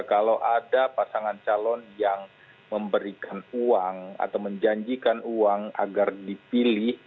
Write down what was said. kalau ada pasangan calon yang memberikan uang atau menjanjikan uang agar dipilih